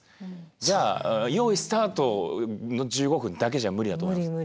じゃあよいスタートの１５分だけじゃ無理だと思います。